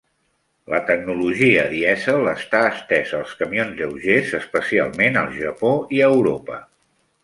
La tecnologia dièsel està estesa als camions lleugers, especialment al Japó i a Europa.